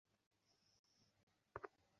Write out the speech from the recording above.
আমি ইউনিভার্সের কথা বুঝিয়েছি, স্যার।